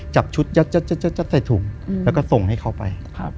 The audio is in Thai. จับชุดยัดใส่ถุงแล้วก็ส่งให้เขาไป